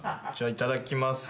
いただきます。